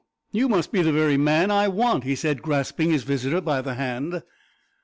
you must be the very man I want," he said, grasping his visitor by the hand.